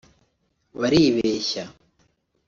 baribeshya